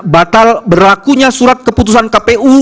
batal berlakunya surat keputusan kpu